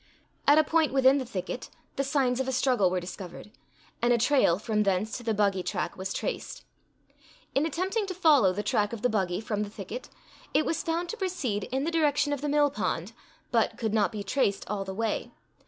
At a point within the thicket, the signs of a struggle were discovered, and a trail from thence to the buggy track was traced. In attempting to follow the track of the buggy from the thicket, it was found to proceed in the direction of the mill pond, but could not be traced all the way.